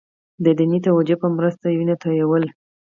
د دیني توجیه په مرسته وینه تویول.